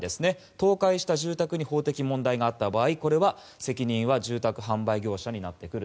倒壊した住宅に法的問題があった場合責任は住宅販売業者になる。